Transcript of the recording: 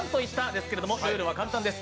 ですけれどもルールは簡単です。